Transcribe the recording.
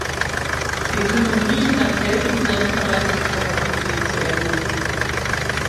Wir können Griechenland helfen, seine Verwaltungskapazität zu erhöhen.